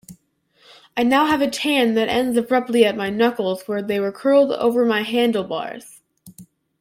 I now have a tan that ends abruptly at my knuckles where they were curled over my handlebars.